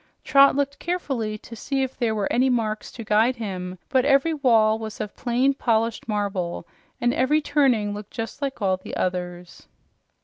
Trot looked carefully to see if there were any marks to guide him, but every wall was of plain, polished marble, and every turning looked just like all the others.